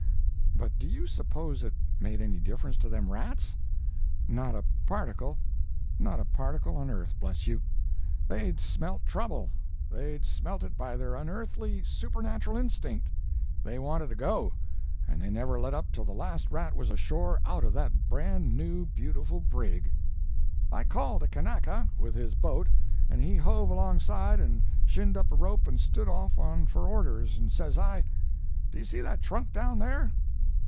but do you suppose it made any difference to them rats?—not a particle—not a particle on earth, bless you!—they'd smelt trouble!—they'd smelt it by their unearthly, supernatural instinct!—they wanted to go, and they never let up till the last rat was ashore out of that bran new beautiful brig! "I called a Kanaka, with his boat, and he hove alongside and shinned up a rope and stood off and on for orders, and says I: "'Do you see that trunk down there?'